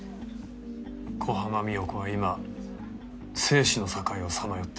小浜三代子は今生死の境をさまよってる。